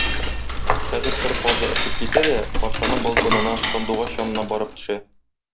Хәзер кыр казы очып китә дә патшаның балконына - Сандугач янына барып төшә.